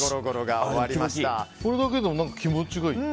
これだけでも気持ちがいい。